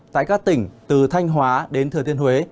tại các tỉnh từ thanh hóa đến thừa thiên huế